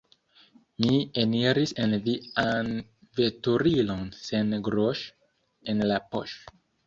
Mi eniris en vian veturilon sen groŝ' en la poŝ'